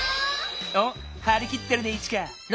おっはりきってるねイチカ。